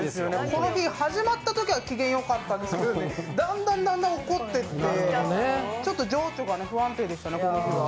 この日、始まったときは機嫌よかったんですけど、だんだん怒っていって、ちょっと情緒が不安定でしたね、この日は。